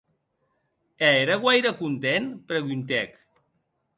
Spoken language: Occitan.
E ère guaire content?, preguntèc.